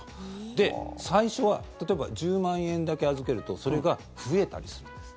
で、最初は例えば１０万円だけ預けるとそれが増えたりするんです。